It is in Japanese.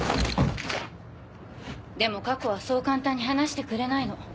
でも過去はそう簡単に離してくれないの。